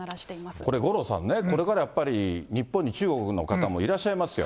これ五郎さんね、これからやっぱり日本に中国の方もいらっしゃいますよ。